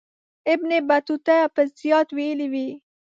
ابن بطوطه به زیات ویلي وي.